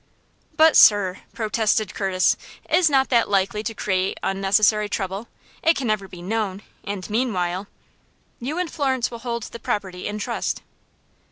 "But, sir," protested Curtis, "is not that likely to create unnecessary trouble? It can never be known, and meanwhile " "You and Florence will hold the property in trust."